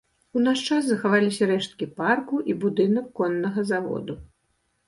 У наш час захаваліся рэшткі парку і будынак коннага заводу.